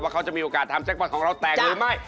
ว่าเขาจะมีโอกาสทางมันของเราแตกหรือไม่